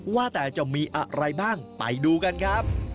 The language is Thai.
ว่าแต่จะมีอะไรบ้างไปดูกันครับ